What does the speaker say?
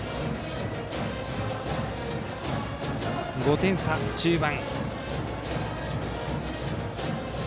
５点差、中盤。